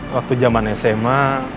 waktu jaman sma